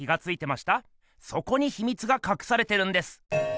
そこにひみつがかくされてるんです。